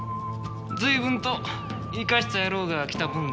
随分といかした野郎が来たもんだ。